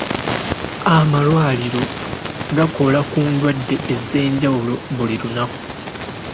Amalwaliro gakola ku ndwadde ez'enjawulo buli lunaku.